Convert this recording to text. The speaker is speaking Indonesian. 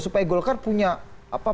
supaya golkar punya